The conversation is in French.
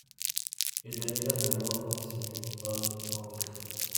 Et derrière la mort continue. Homme, envie